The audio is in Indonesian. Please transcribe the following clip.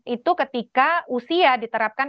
itu ketika usia diterapkan